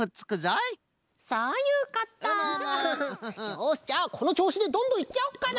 よしじゃあこのちょうしでどんどんいっちゃおうかな！